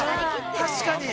◆確かに。